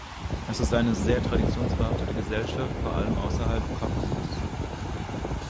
Es ist eine sehr traditionsverhaftete Gesellschaft, vor allem außerhalb Kabuls.